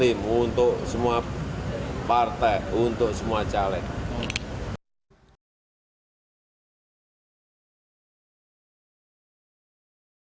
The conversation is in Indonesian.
itulah penghargaan nusantara putri joko widodo seperti sebelum tadi